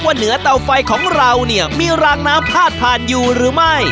เหนือเตาไฟของเราเนี่ยมีรางน้ำพาดผ่านอยู่หรือไม่